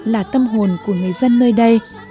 là tâm hồn của người dân nơi đây